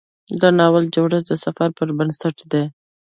د ناول جوړښت د سفر پر بنسټ دی.